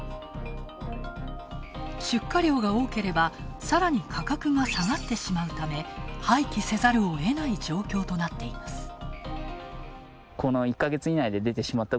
出荷量が多ければ、さらに価格が下がってしまうため、廃棄せざるをえない状況となっています。